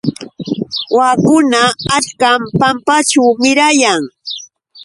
Waakuna achkam pampaćhu mirayan.